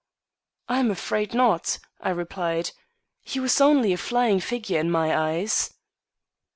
"I am afraid not," I replied. "He was only a flying figure in my eyes."